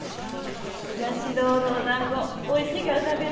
ひがし堂のお団子おいしいから食べよう。